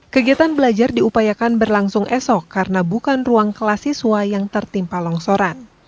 kegiatan belajar diupayakan berlangsung esok karena bukan ruang kelas siswa yang tertimpa longsoran